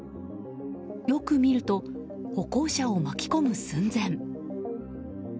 よく見ると歩行者を巻き込む寸前。